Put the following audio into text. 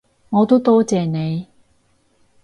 我都多謝你